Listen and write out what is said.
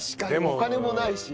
お金もないし。